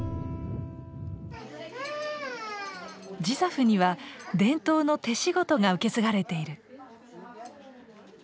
ジザフには伝統の手仕事が受け継がれている。